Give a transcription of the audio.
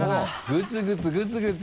グツグツグツグツ。